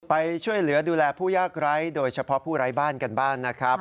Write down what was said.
ไปช่วยเหลือดูแลผู้ยากไร้โดยเฉพาะผู้ไร้บ้านกันบ้างนะครับ